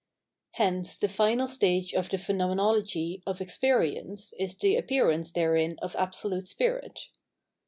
Hence the final stage of the PhenomeTwlogy of experience is the appearance therein of Absolute Spirit.